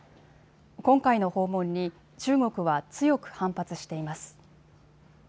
今回の訪問に中国は強く反発しています。